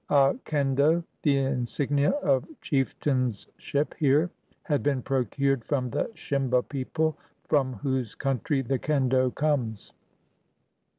A kendo, the insignia of chieftainship here, had been procured from the Shimba people, from whose country the kendo comes.